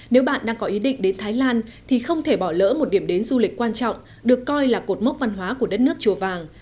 nếu bạn đang có ý định đến thái lan thì không thể bỏ lỡ một điểm đến du lịch quan trọng được coi là cột mốc văn hóa của đất nước chùa vàng